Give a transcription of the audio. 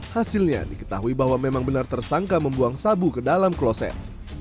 hasilnya diketahui bahwa memang benar tersangka membuang sabu ke dalam kloset